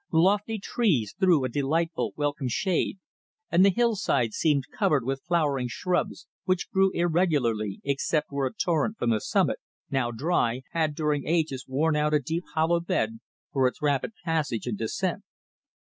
Lofty trees threw a delightful, welcome shade, and the hill side seemed covered with flowering shrubs, which grew irregularly except where a torrent from the summit, now dry, had during ages worn out a deep hollow bed for its rapid passage and descent.